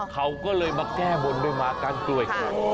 เขาก็เลยมาแก้บนด้วยมากั้นกล้วย